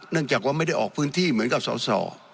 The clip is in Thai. จากว่าไม่ได้ออกพื้นที่เหมือนกับสอสอ